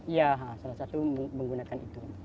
ya salah satu menggunakan itu